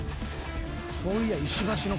そういや。